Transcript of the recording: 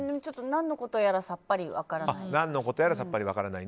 何のことやらさっぱり分からない。